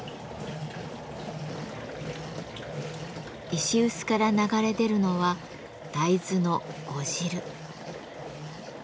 石うすから流れ出るのは大豆の「呉汁」。